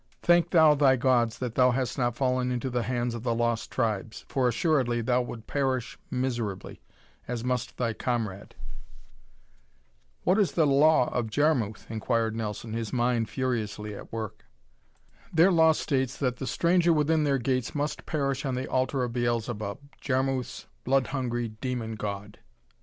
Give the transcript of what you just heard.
Thank thou thy gods that thou hast not fallen into the hands of the Lost Tribes, for assuredly thou would perish miserably, as must thy comrade." "What is the law of Jarmuth?" inquired Nelson, his mind furiously at work. "Their law states that the stranger within their gates must perish on the altar of Beelzebub, Jarmuth's blood hungry demon god."